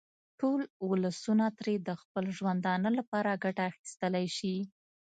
ټول ولسونه ترې د خپل ژوندانه لپاره ګټه اخیستلای شي.